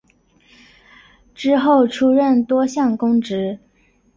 之后出任多项公职。